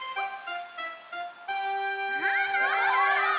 ハハハハ！